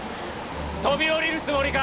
飛び降りるつもりか？